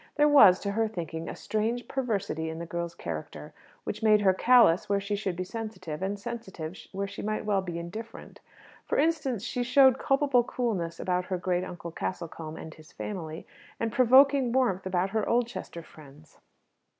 There was, to her thinking, a strange perversity in the girl's character, which made her callous where she should be sensitive, and sensitive where she might well be indifferent. For instance, she showed culpable coolness about her great uncle Castlecombe and his family, and provoking warmth about her Oldchester friends.